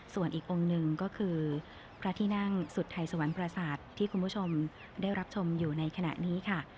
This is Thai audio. ส่วนอีกองค์หนึ่งก็คือพระที่นั่งสุดไทยสวรรค์ประสาทที่คุณผู้ชมได้รับชมอยู่ในขณะนี้ค่ะ